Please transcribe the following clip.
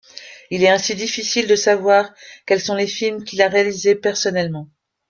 Il est ainsi difficile de savoir quels sont les films qu'il a réalisés personnellement.